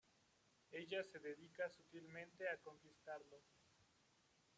Ella se dedica sutilmente a conquistarlo.